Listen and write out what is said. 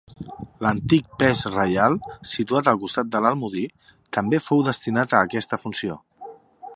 L'antic Pes Reial, situat al costat de l'Almodí, també fou destinat a aquesta funció.